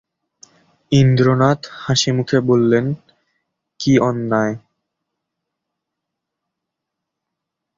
ইন্দ্রনাথ হাসিমুখে বললে, কী অন্যায়?